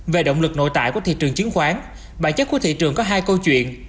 về động lực nội tại của thị trường chứng khoán bản chất của thị trường có hai câu chuyện